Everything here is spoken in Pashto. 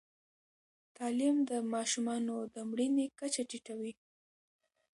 تعلیم د ماشومانو د مړینې کچه ټیټوي.